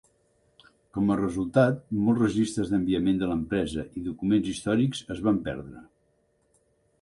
Com a resultat molts registres d'enviament de l'empresa i documents històrics es van perdre.